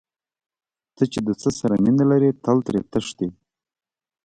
ته چې د څه سره مینه لرې تل ترې تښتې.